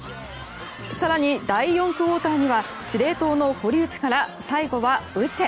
更に第４クオーターには司令塔の堀内から最後はウチェ。